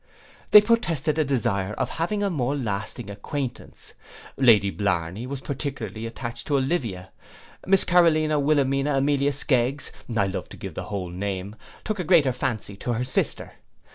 They protested a desire of having a more lasting acquaintance. Lady Blarney was particularly attached to Olivia; Miss Carolina Wilelmina Amelia Skeggs (I love to give the whole name) took a greater fancy to her sister.